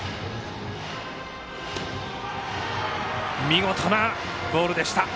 見事なボールでした。